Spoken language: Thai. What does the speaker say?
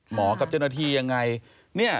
หมอกับเจ้าหน้าที่อย่างไร